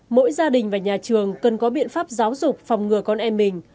mỗi gia đình và nhà trường cần có biện pháp giáo dục phòng ngừa con em mình